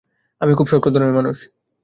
আমি খুব শক্ত ধরনের মানুষ।